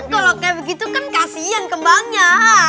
kalau kayak begitu kan kasian kembangnya